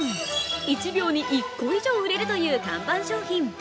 １秒に１個以上売れるという看板商品。